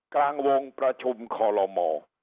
กลางวงประชุมขอลอมหมอ